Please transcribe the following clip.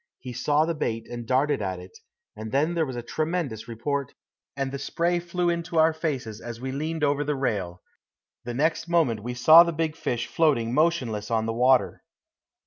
He saw the bait and darted at it, and then there was a tremendous report, and the spray flew into our faces as we leaned over the rail. The next moment we saw the big fish floating motionless on the water.